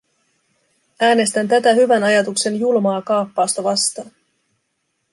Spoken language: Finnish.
Äänestän tätä hyvän ajatuksen julmaa kaappausta vastaan.